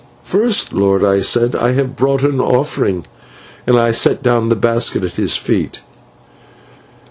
"'First, lord,' I said, 'I have brought an offering,' and I set down the basket at his feet.